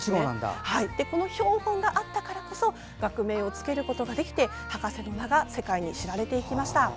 この標本があったからこそ学名をつけることができて博士の名が世界に知られていきました。